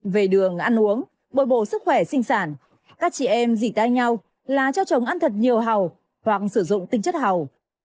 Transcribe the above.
về đường ăn uống bồi bổ sức khỏe sinh sản các chị em dì tai nhau là cho chồng ăn thật nhiều hầu hoặc sử dụng tinh chất hầu